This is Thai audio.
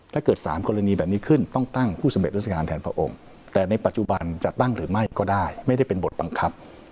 ถ้าเกิด๓กรณีแบบนี้ขึ้นต้องตั้งผู้สำเร็จราชการแทนพระองค์แต่ในปัจจุบันจะตั้งหรือไม่ก็ได้ไม่ได้เป็นบทบังคับ